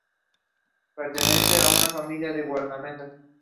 Pertenece a una familia de guardametas.